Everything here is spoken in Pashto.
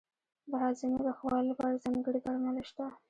د هاضمې د ښه والي لپاره ځانګړي درمل شته.